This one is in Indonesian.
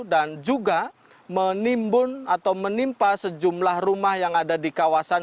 dan juga menimbun atau menimpa sejumlah rumah yang ada di kawasan